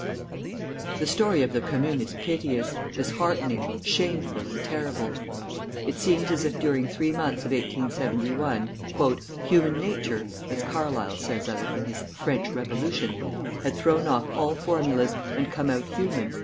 The story of the Commune is piteous, disheartening, shameful, and terrible. It seems as if during three months of 1871 "human nature," as Carlyle says of it in his "French Revolution," "had thrown off all formulas, and come out _human!